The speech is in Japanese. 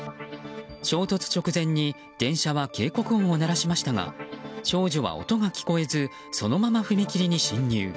衝突直前に電車は警告音を鳴らしましたが少女は音が聞こえずそのまま踏切に進入。